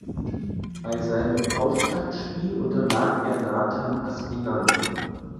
Bei seinem Auftaktspiel unterlag er Nathan Aspinall.